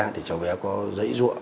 thì cháu bé có dãy ruộng